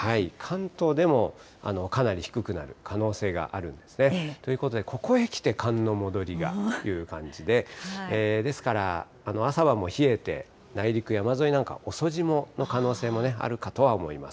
関東でもかなり低くなる可能性があるんですね。ということでここへきて、寒の戻りという感じで、ですから、朝晩も冷えて、内陸、山沿いなんか遅霜の可能性なんかもあるかとは思います。